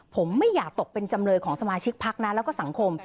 ผมไม่อยากกลับเป็นจำเลยของสมาชิกพักครัวและสังโครม